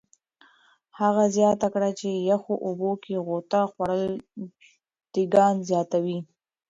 هغه زیاته کړه چې یخو اوبو کې غوطه خوړل ټکان زیاتوي.